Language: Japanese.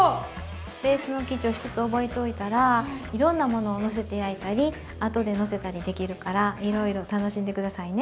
ベースの生地を一つ覚えておいたらいろんなものをのせて焼いたり後でのせたりできるからいろいろ楽しんで下さいね。